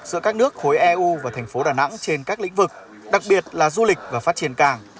giữa các nước khối eu và thành phố đà nẵng trên các lĩnh vực đặc biệt là du lịch và phát triển cảng